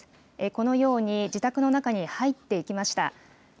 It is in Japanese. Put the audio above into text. このように、自宅の中に入っていきました。